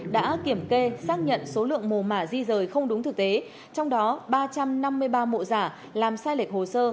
đã kiểm kê xác nhận số lượng mồ mả di rời không đúng thực tế trong đó ba trăm năm mươi ba mộ giả làm sai lệch hồ sơ